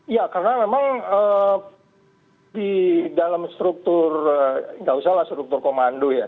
ya karena memang di dalam struktur nggak usah lah struktur komando ya